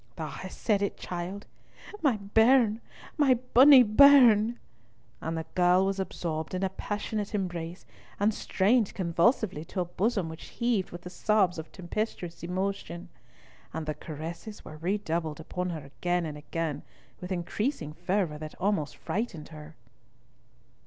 "Thou hast said it, child! My bairn, my bonnie bairn!" and the girl was absorbed in a passionate embrace and strained convulsively to a bosom which heaved with the sobs of tempestuous emotion, and the caresses were redoubled upon her again and again with increasing fervour that almost frightened her.